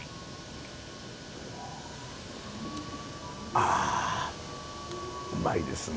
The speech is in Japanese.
あうまいですね。